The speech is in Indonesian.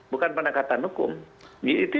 bukan penekatan hukum